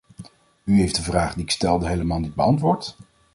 U heeft de vraag die ik stelde helemaal niet beantwoord.